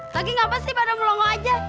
lagi ngapain sih pada melongo aja